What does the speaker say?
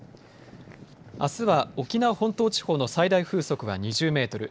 あすは沖縄本島地方の最大風速は２０メートル